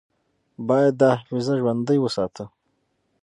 باید دا حافظه ژوندۍ وساتو.